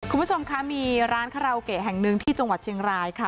คุณผู้ชมคะมีร้านคาราโอเกะแห่งหนึ่งที่จังหวัดเชียงรายค่ะ